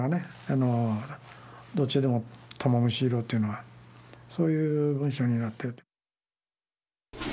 どっちでも玉虫色というのはそういう文章になって。